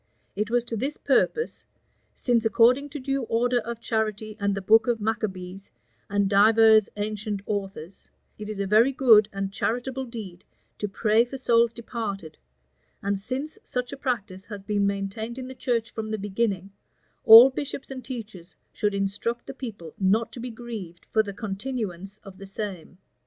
It was to this purpose: "Since, according to due order of charity, and the book of Maccabees, and divers ancient authors, it is a very good and charitable deed to pray for souls departed, and since such a practice has been maintained in the church from the beginning, all bishops and teachers should instruct the people not to be grieved for the continuance of the same.